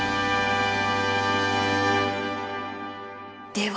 では